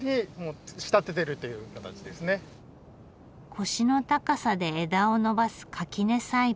腰の高さで枝を伸ばす垣根栽培。